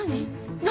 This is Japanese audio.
何？